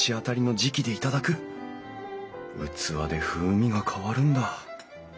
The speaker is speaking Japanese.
器で風味が変わるんだ。